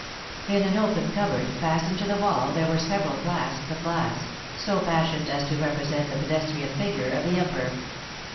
In an open cupboard, fastened to the wall, there were several flasks of glass, so fashioned as to represent the pedestrian figure of the Emperor.